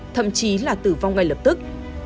thậm chí là tử vong ngay lập tức